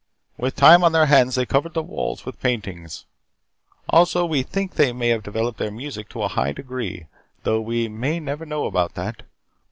With time on their hands they covered the walls with paintings. Also, we think they must have developed their music to a high degree though we may never know about that.